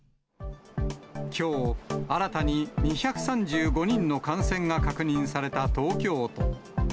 きょう、新たに２３５人の感染が確認された東京都。